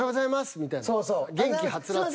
みたいな。